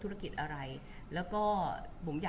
คุณผู้ถามเป็นความขอบคุณค่ะ